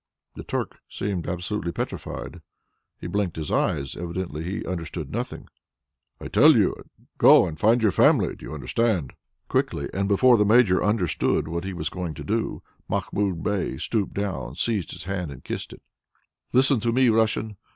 The Turk seemed absolutely petrified. He blinked his eyes. Evidently he understood nothing. "I tell you to go and find your family. Do you understand?" Quickly, and before the Major understood what he was going to do, Mahmoud Bey stooped down, seized his hand and kissed it. "Listen to me, Russian!